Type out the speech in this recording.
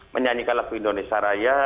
menyanyikan lagu indonesia raya